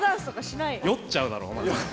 酔っちゃうだろ。